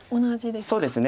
そうですね。